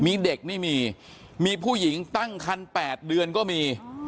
มีเด็กนี่มีมีผู้หญิงตั้งคัน๘เดือนก็มี